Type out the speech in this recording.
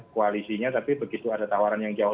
koalisinya tapi begitu ada tawaran yang jauh